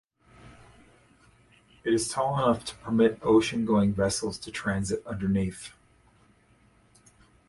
It is tall enough to permit ocean going vessels to transit underneath.